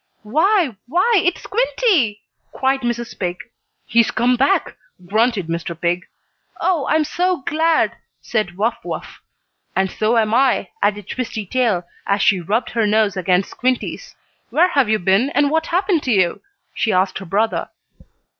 "Why why, it's Squinty!" cried Mrs. Pig. "He's come back!" grunted Mr. Pig. "Oh, I'm so glad!" said Wuff Wuff. "And so am I," added Twisty Tail, as she rubbed her nose against Squinty's. "Where have you been, and what happened to you?" she asked her brother.